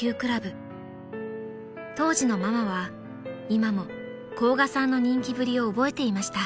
［当時のママは今も甲賀さんの人気ぶりを覚えていました］